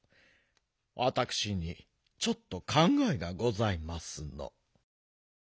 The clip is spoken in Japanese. わたくしにちょっとかんがえがございますの。